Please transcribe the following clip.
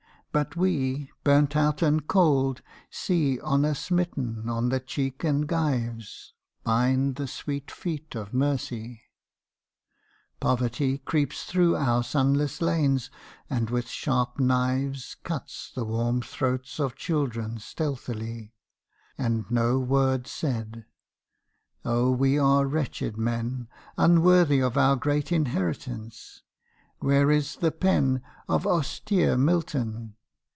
but we, burnt out and cold, See Honour smitten on the cheek and gyves Bind the sweet feet of Mercy: Poverty Creeps through our sunless lanes and with sharp knives Cuts the warm throats of children stealthily, And no word said:—O we are wretched men Unworthy of our great inheritance! where is the pen Of austere Milton?